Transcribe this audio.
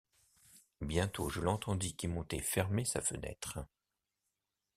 Bientôt, je l’entendis qui montait fermer sa fenêtre.